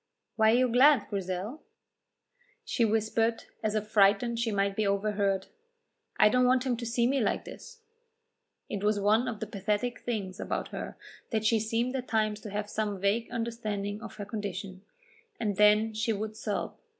"Why are you glad, Grizel?" She whispered, as if frightened she might be overheard: "I don't want him to see me like this." It was one of the pathetic things about her that she seemed at times to have some vague understanding of her condition, and then she would sob.